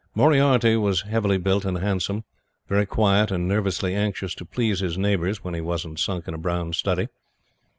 Moriarty was heavily built and handsome, very quiet and nervously anxious to please his neighbors when he wasn't sunk in a brown study.